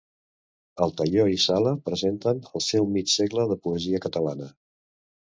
Altaió i Sala presenten el seu Mig segle de poesia catalana.